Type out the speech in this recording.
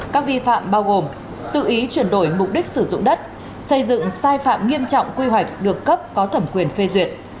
các vi phạm bao gồm tự ý chuyển đổi mục đích sử dụng đất xây dựng sai phạm nghiêm trọng quy hoạch được cấp có thẩm quyền phê duyệt